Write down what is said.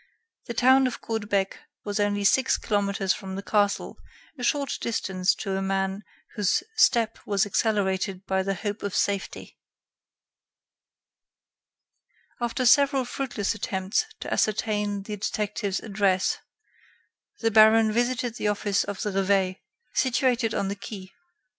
The town of Caudebec was only six kilometers from the castle, a short distance to a man whose step was accelerated by the hope of safety. After several fruitless attempts to ascertain the detective's address, the baron visited the office of the 'Reveil,' situated on the quai.